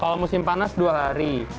kalau musim panas dua hari